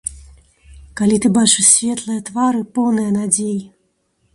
Калі ты бачыш светлыя твары, поўныя надзей.